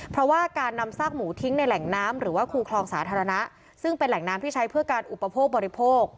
เพราะว่าการนำซากหมูทิ้งในแหล่งน้ำหรือว่าคูคลองสาธารณะซึ่งเป็นแหล่งน้ำที่ใช้เพื่อการอุปโภคบริโภค